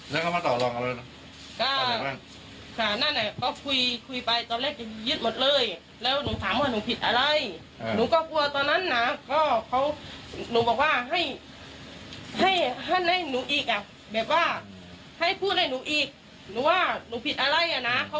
แล้วก็มาตอบรองกันเลย